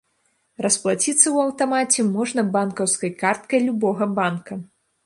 Расплаціцца ў аўтамаце можна банкаўскай карткай любога банка.